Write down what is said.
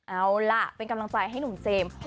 เอาล่ะเป็นกำลังใจให้หนุ่มเจมส์